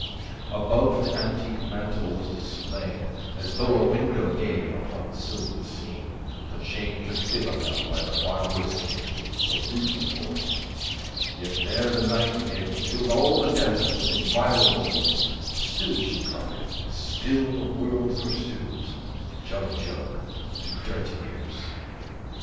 Above the antique mantel was displayed As though a window gave upon the sylvan scene The change of Philomel, by the barbarous king So rudely forced; yet there the nightingale 100 Filled all the desert with inviolable voice And still she cried, and still the world pursues, "Jug Jug" to dirty ears.